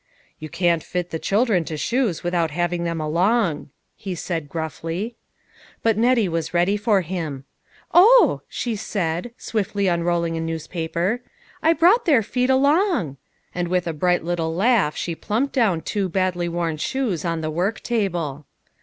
"You can't fit the children to shoes without having them along," he said gruffly. But Nettie was ready for him :" Oh !" she said, swiftly unrolling a newspaper, " I brought their feet along." And with a bright little laugh she plumped down two badly worn shoes on the work table.